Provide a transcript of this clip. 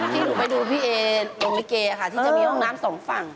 ที่หนูไปดูพี่เอวมิเกค่ะที่จะมีร่องน้ำ๒ฝั่ง